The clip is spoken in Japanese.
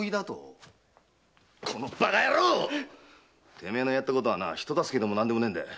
てめえのやったことはな人助けでも何でもねえんだよ。